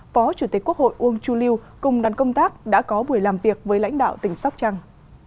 phó chủ tịch quốc hội uông chu lưu cùng đoàn công tác đã có buổi làm việc với lãnh đạo tỉnh sóc trăng